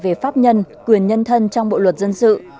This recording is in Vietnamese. về pháp nhân quyền nhân thân trong bộ luật dân sự